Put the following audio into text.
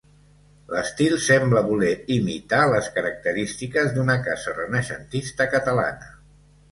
L'estil sembla voler imitar les característiques d'una casa renaixentista catalana.